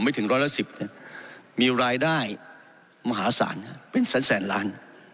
ไม่ถึงร้อยละสิบเนี้ยมีรายได้มหาศาลเป็นสันแสนล้าน